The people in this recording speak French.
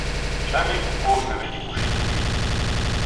Jamais Coupeau n'avait découché deux nuits.